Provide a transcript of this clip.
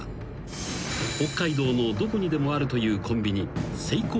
［北海道のどこにでもあるというコンビニ］